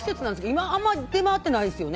今、あまり出回ってないですよね。